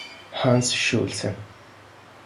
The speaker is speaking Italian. Hans Schulze